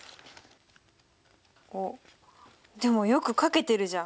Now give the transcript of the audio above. あっでもよく書けてるじゃん。